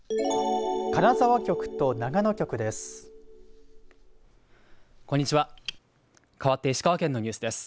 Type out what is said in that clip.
金沢局と長野局です。